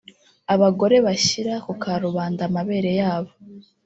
abagore bashyira ku karubanda amabere yabo